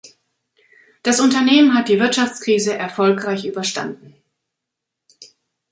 Das Unternehmen hat die Wirtschaftskrise erfolgreich überstanden.